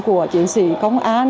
của chiến sĩ công an